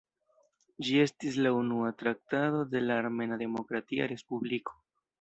Ĝi estis la unua traktato de la Armena Demokratia Respubliko.